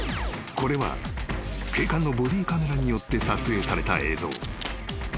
［これは警官のボディーカメラによって撮影された映像］